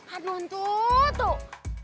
aduh tuh tuh